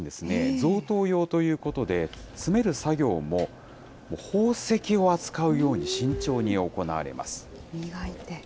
贈答用ということで、詰める作業も宝石を扱うように、慎重に行われます。